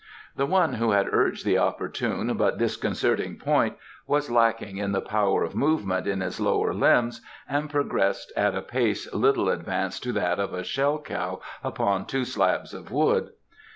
The one who had urged the opportune but disconcerting point was lacking in the power of movement in his lower limbs and progressed at a pace little advanced to that of a shell cow upon two slabs of wood.